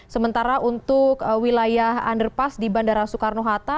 sementara untuk wilayah underpass di bandara soekarno hatta